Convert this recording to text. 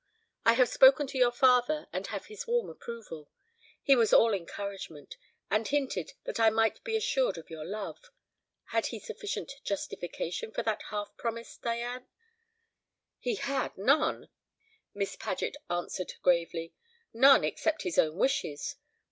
I have spoken to your father, and have his warm approval. He was all encouragement, and hinted that I might be assured of your love. Had he sufficient justification for that half promise, Diane?" "He had none," Miss Paget answered gravely, "none except his own wishes.